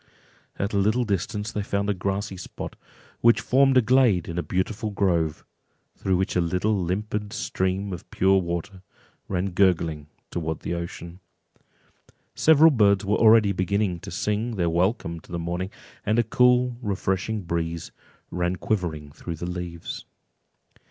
At a little distance they found a grassy spot, which formed a glade in a beautiful grove, through which a little limpid stream of pure water ran gurgling towards the ocean. Several birds were already beginning to sing their welcome to the morning, and a cool refreshing breeze ran quivering through the leaves.